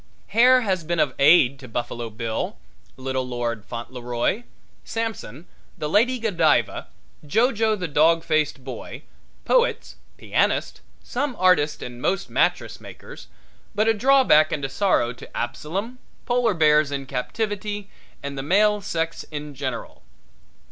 Hair has been of aid to Buffalo Bill, Little Lord Fauntleroy, Samson, The Lady Godiva, Jo Jo, the Dog Faced Boy, poets, pianists, some artists and most mattress makers, but a drawback and a sorrow to Absalom, polar bears in captivity and the male sex in general.